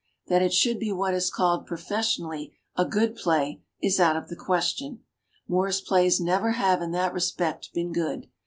That it should be what is called professionally a "good play" is out of the question. Moore's plays never have, in that respect, been good.